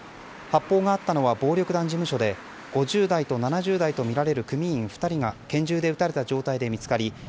発砲があったのは暴力団事務所で５０代と７０代とみられる組員２人が拳銃で撃たれた状態で見つかり